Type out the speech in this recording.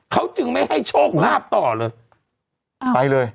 เขาจึงไม่ให้โชคราบต่อเลย